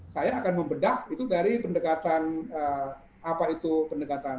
saya akan membedah itu dari pendekatan apa itu pendekatan